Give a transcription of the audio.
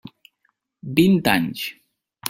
Vint anys.